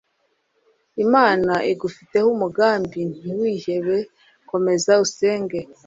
Imana igufiteho umugambi ntiwihebe komeza usenge